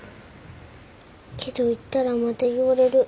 けど行ったらまた言われる。